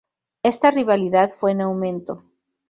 Esta rivalidad fue en aumento.